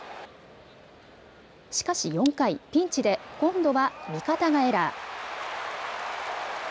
しかし４回、ピンチで今度は味方がエラー。